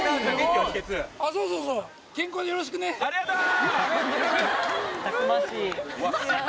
ありがとう！